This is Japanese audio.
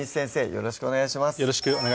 よろしくお願いします